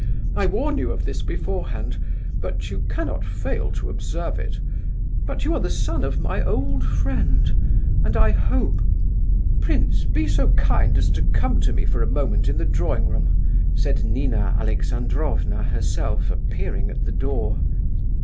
I warn you of this beforehand, but you cannot fail to observe it. But you are the son of my old friend, and I hope—" "Prince, be so kind as to come to me for a moment in the drawing room," said Nina Alexandrovna herself, appearing at the door.